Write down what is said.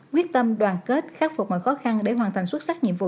quyết tâm đoàn kết khắc phục mọi khó khăn để hoàn thành xuất sắc nhiệm vụ